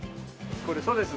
これそうです。